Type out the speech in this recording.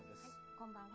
こんばんは。